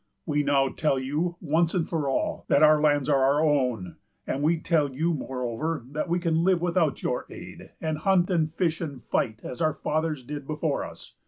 We now tell you, once for all, that our lands are our own; and we tell you, moreover, that we can live without your aid, and hunt, and fish, and fight, as our fathers did before us.